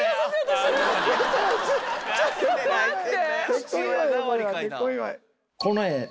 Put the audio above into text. ちょっと待って。